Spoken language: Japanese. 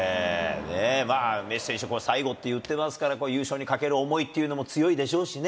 まあ、メッシ選手、最後って言ってますから、優勝にかける思いっていうのも強いでしょうしね。